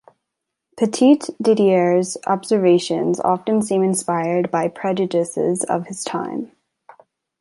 Petit-Didier's observations often seem inspired by prejudices of his time.